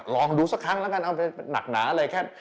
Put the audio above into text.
ลองดูสักครั้งแล้วกันเอาไปหนักหนาอะไรแค่